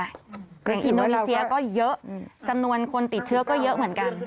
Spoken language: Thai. อินโดนีเซียก็เยอะจำนวนคนติดเชื้อก็เยอะเหมือนกัน